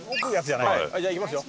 じゃあいきますよ。